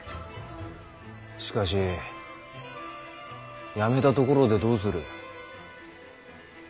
しかし辞めたところでどうする？